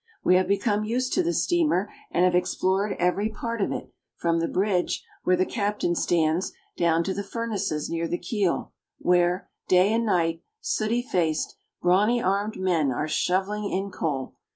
We have become used to the steamer and have explored every part of it, from the bridge, where the cap tain stands, down to the furnaces near the keel, where, day and night, sooty faced, brawny armed men are shoveling in coal.